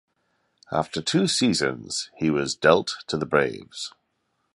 After two seasons, he was dealt to the Braves.